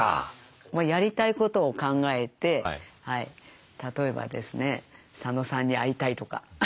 やりたいことを考えて例えばですね佐野さんに会いたいとか。